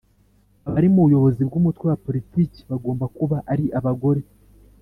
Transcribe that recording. abari mu buyobozi bw umutwe wa politiki bagomba kuba ari abagore